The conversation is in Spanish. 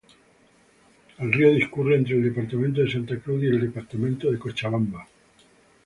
El río discurre entre el departamento de Santa Cruz y el departamento de Cochabamba.